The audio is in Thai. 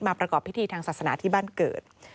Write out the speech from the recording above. ประกอบพิธีทางศาสนาที่บ้านเกิด